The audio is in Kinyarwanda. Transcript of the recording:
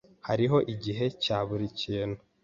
Hariho igihe cya buri kintu.